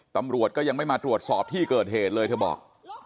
ตำรวจก็ยังไม่มาตรวจสอบที่เกิดเหตุเลยเธอบอก